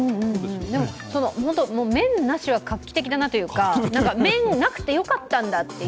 でも、麺なしは画期的だなというか、麺なくてよかったんだという。